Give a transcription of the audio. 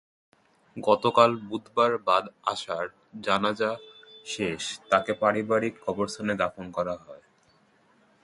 গতকাল বুধবার বাদ আসর জানাজা শেষে তাঁকে পারিবারিক কবরস্থানে দাফন করা হয়।